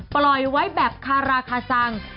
ปล่อยไว้แบบคาราคาซัง